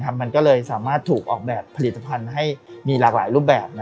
มันก็เลยสามารถถูกออกแบบผลิตภัณฑ์ให้มีหลากหลายรูปแบบ